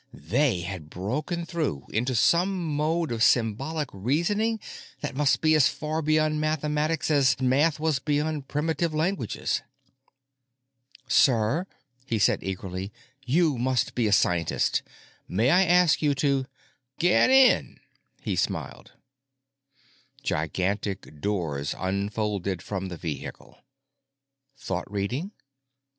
They had broken through into some mode of symbolic reasoning that must be as far beyond mathematics as math was beyond primitive languages! "Sir," he said eagerly, "you must be a scientist. May I ask you to——" "Get in," he smiled. Gigantic doors unfolded from the vehicle. Thought reading?